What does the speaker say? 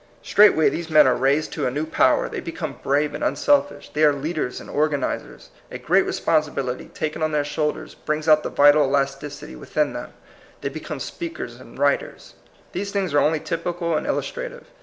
Straightway these men are raised to 144 THE COMING PEOPLE. a new power ; they become brave and un selfish; they are leaders and organizers; a great responsibility taken on their shoul ders brings out the vital elasticity within them; they become speakers and writers. These things are only typical and illus trative.